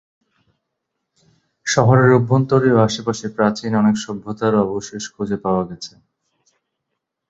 শহরের অভ্যন্তরে ও আশেপাশে প্রাচীন অনেক সভ্যতার অবশেষ খুঁজে পাওয়া গেছে।